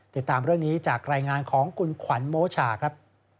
ติดตามเรื่องนี้จากรายงานของคุณขวัญโมชาครับ